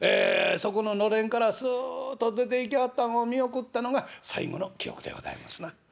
そこののれんからすっと出ていきはったんを見送ったのが最後の記憶でございますな」。